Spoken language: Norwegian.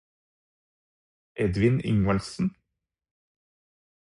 Edvin Ingvaldsen